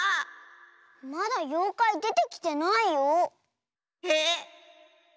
まだようかいでてきてないよ。へ？